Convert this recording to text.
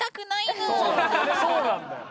そうなんだよね。